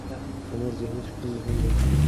د مور ذهني سکون مهم دی.